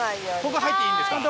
ここ入っていいんですか？